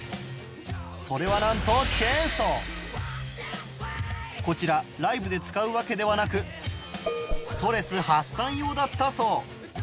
それはなんとこちらライブで使うわけではなくストレス発散用だったそう